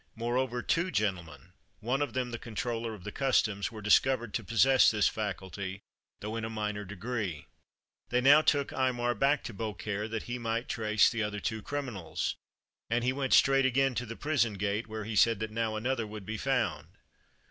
Moreover, two gentlemen, one of them the controller of the customs, were discovered to possess this faculty, though in a minor degree. They now took Aymar back to Beaucaire, that he might trace the other two criminals; and he went straight again to the prison gate, where he said that now another would be found.